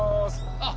あっ。